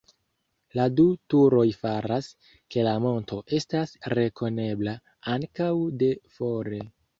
La du turoj faras, ke la monto estas rekonebla ankaŭ de fore.